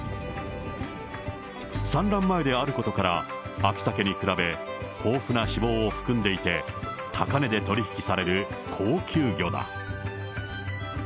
産卵前であることから、秋サケに比べ、豊富な脂肪を含んでいて、高値で取り引きされる高級魚だ。